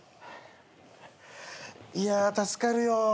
いや助かるよ。